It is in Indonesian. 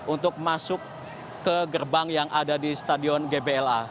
untuk masuk ke gerbang yang ada di stadion gbla